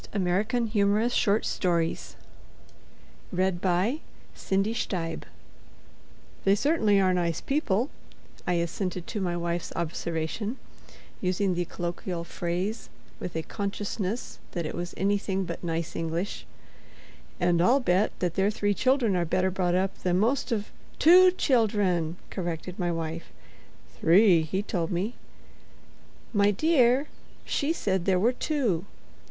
THE NICE PEOPLE By Henry Cuyler Bunner (1855–1896) "They certainly are nice people," I assented to my wife's observation, using the colloquial phrase with a consciousness that it was anything but "nice" English, "and I'll bet that their three children are better brought up than most of——" "Two children," corrected my wife. "Three, he told me." "My dear, she said there were two."